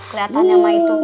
keliatannya sama itu